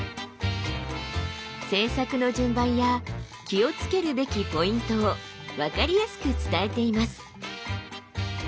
制作の順番や気を付けるべきポイントを分かりやすく伝えています。